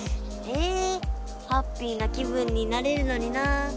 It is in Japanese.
えハッピーな気分になれるのにな。